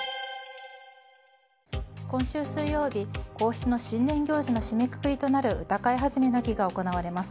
今週水曜日皇室の新年行事の締めくくりとなる歌会始の儀が行われます。